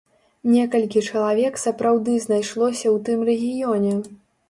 Некалькі чалавек сапраўды знайшлося ў тым рэгіёне!